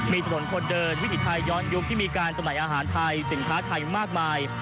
มีถนนคนเดินวิถีไทยย้อนยุคที่มีการจำหน่ายอาหารไทยสินค้าไทยมากมาย